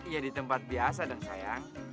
ya di tempat biasa dan sayang